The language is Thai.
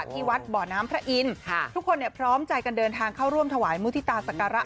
ที่วัดบ่อน้ำพระอินทร์ทุกคนพร้อมใจกันเดินทางเข้าร่วมถวายมุฒิตาศักระ